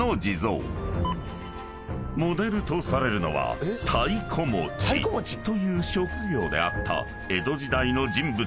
［モデルとされるのは太鼓持ちという職業であった江戸時代の人物］